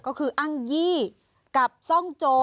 ก็คืออังยีกับซองเจ้น